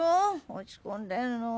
落ち込んでんの。